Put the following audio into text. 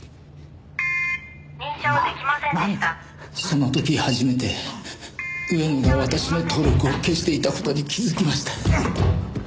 その時初めて上野が私の登録を消していた事に気づきました。